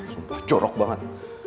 sumpah jorok banget